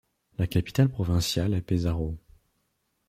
La capitale provinciale est Pesaro.